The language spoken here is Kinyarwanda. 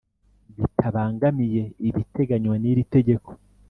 Bitabangamiye ibiteganywa n iri tegeko